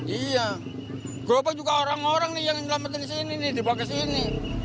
iya gerobak juga orang orang nih yang nyelamatin di sini nih dibawa ke sini